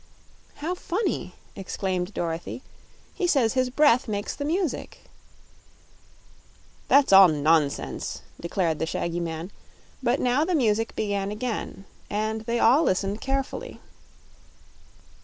"How funny!" exclaimed Dorothy; "he says his breath makes the music." "That's all nonsense," declared the shaggy man; but now the music began again, and they all listened carefully.